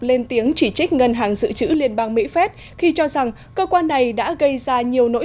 lên tiếng chỉ trích ngân hàng dự trữ liên bang mỹ phép khi cho rằng cơ quan này đã gây ra nhiều nỗi